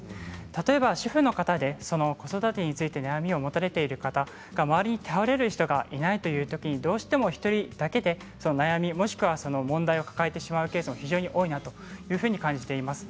例えば、主婦の方で子育てについて悩みを持たれている方周りに頼れる人がいないというときにどうしても１人だけで悩み、もしくは問題を抱えてしまうケースも非常に多いと感じています。